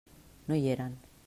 No hi eren.